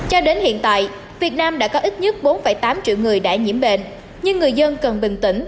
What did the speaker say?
cho đến hiện tại việt nam đã có ít nhất bốn tám triệu người đã nhiễm bệnh nhưng người dân cần bình tĩnh